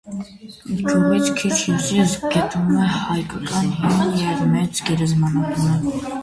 Գյուղից քիչ հյուսիս գտնվում է հայկական հին և մեծ գերեզմանատունը։